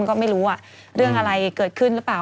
ก็ไม่รู้ว่าเรื่องอะไรเกิดขึ้นหรือเปล่า